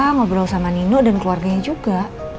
kita ngobrol sama nino dan keluarganya juga